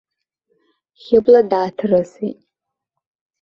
Хьыбла дааҭрысит.